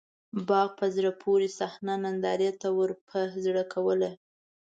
باغ په زړه پورې صحنه نندارې ته ورپه زړه کوله.